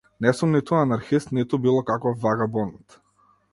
Не сум ниту анархист ниту било каков вагабонт.